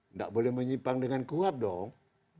tidak boleh menyimpang dengan kuap dong